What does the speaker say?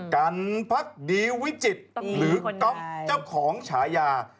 กันพักดีวิจิตรหรือก๊อฟเจ้าของฉายา